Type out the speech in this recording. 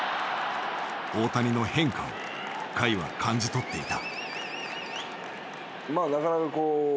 大谷の変化を甲斐は感じ取っていた。